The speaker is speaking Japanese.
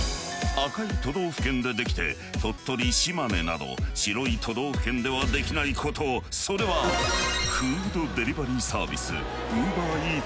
赤い都道府県でできて鳥取島根など白い都道府県ではできないことそれはフードデリバリーサービス